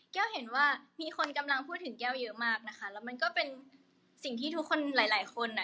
แก้วเห็นว่ามีคนกำลังพูดถึงแก้วเยอะมากนะคะแล้วมันก็เป็นสิ่งที่ทุกคนหลายหลายคนอ่ะ